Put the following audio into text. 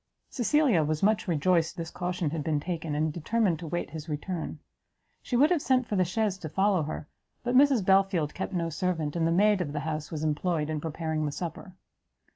Cecilia was much rejoiced this caution had been taken, and determined to wait his return. She would have sent for the chaise to follow her; but Mrs Belfield kept no servant, and the maid of the house was employed in preparing the supper.